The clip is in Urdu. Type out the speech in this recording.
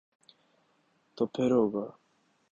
تو پھر ہو گا۔